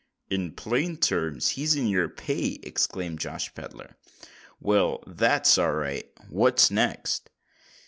"In plain terms he's in your pay," exclaimed Josh Pedler. "Well—that's all right. What next?"